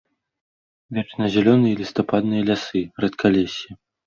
Вечназялёныя і лістападныя лясы, рэдкалессі.